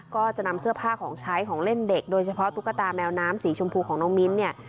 ก็จะนำเสื้อผ้าของใช้ของเล่นเด็กโดยเฉพาะตุ๊กตาแมวน้ำสีชมพูของน้องมิ้นเนี่ย